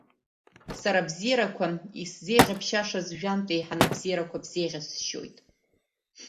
Сара абзиарақәа исзеиӷьабшьаз жәантә еиҳаны абзиарақәа бзеиӷьасшьоит.